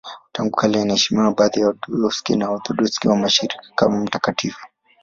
Tangu kale anaheshimiwa na baadhi ya Waorthodoksi na Waorthodoksi wa Mashariki kama mtakatifu.